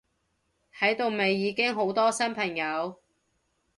喺度咪已經好多新朋友！